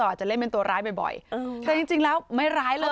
อาจจะเล่นเป็นตัวร้ายบ่อยแต่จริงแล้วไม่ร้ายเลย